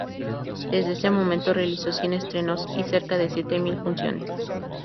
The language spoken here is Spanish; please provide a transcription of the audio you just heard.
Desde ese momento realizó cien estrenos y cerca de siete mil funciones.